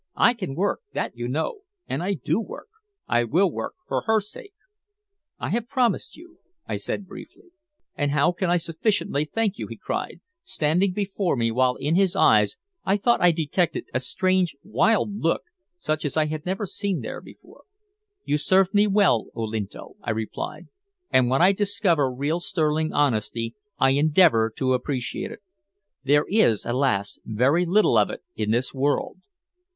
I can work, that you know and I do work. I will work for her sake." "I have promised you," I said briefly. "And how can I sufficiently thank you?" he cried, standing before me, while in his eyes I thought I detected a strange wild look, such as I had never seen there before. "You served me well, Olinto," I replied, "and when I discover real sterling honesty I endeavor to appreciate it. There is, alas! very little of it in this world."